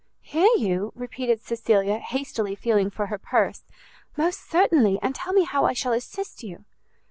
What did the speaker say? "Hear you!" repeated Cecilia, hastily feeling for her purse; "most certainly, and tell me how I shall assist you."